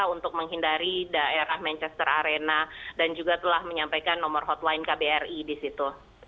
untuk menghindari daerah manchester arena dan juga telah menyampaikan nomor hotline kbri di situ